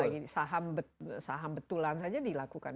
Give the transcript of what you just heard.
apalagi saham betulan saja dilakukan